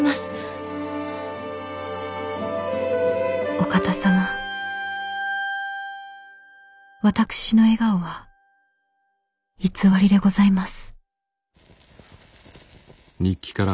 「お方様私の笑顔は偽りでございます」。